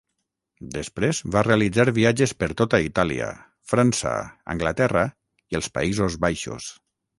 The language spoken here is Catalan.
Després va realitzar viatges per tota Itàlia, França, Anglaterra i els Països Baixos.